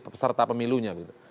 peserta pemilunya gitu